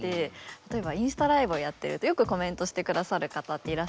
例えばインスタライブをやってるとよくコメントしてくださる方っていらっしゃるんですね。